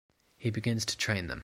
He begins to train them.